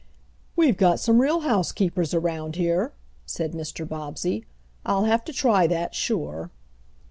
"We've got some real housekeepers around here," said Mr. Bobbsey. "I'll have to try that sure."